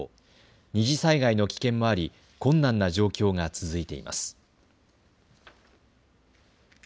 二次災害の危険もあり困難な状況が続いています。